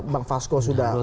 bang fasko sudah utarakan